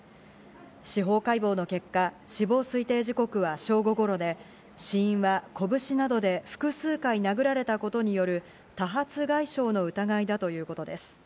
司法解剖の結果、死亡推定時刻は正午頃で、死因は拳などで複数回殴られたことによる、多発外傷の疑いだということです。